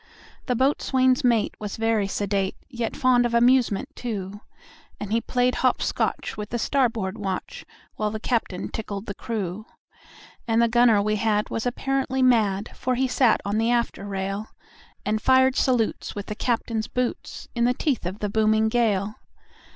The boatswain's mate was very sedate, Yet fond of amusement, too; And he played hop scotch with the starboard watch, While the captain tickled the crew. And the gunner we had was apparently mad, For he sat on the after rail, And fired salutes with the captain's boots, In the teeth of the booming gale.